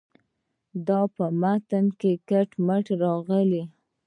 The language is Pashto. دا په متن کې کټ مټ راغلې.